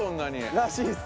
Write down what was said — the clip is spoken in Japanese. らしいっす。